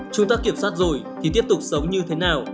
chúng ta kiểm soát rồi thì tiếp tục sống như thế nào